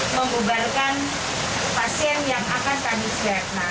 membubarkan pasien yang akan tadi siap